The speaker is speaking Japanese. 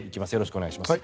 お願いします。